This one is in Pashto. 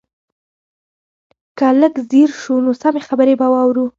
که لږ ځير شو نو سمې خبرې به واورو.